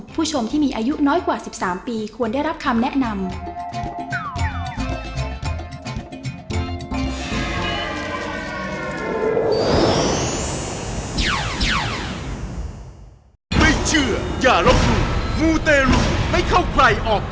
ผู้ชมที่มีอายุน้อยกว่า๑๓ปีควรได้รับคำแนะนำ